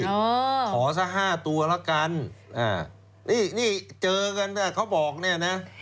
เอ่อขอซะห้าตัวแล้วกันอ่านี่นี่เจอกันแหละเขาบอกเนี่ยนะ